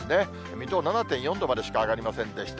水戸７．４度までしか上がりませんでした。